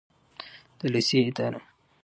د لیسې اداره